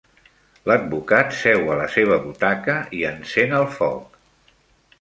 L'advocat seu a la seva butaca i encén el foc.